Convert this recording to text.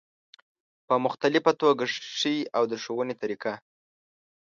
په مختلفه توګه ښي او د ښودنې طریقه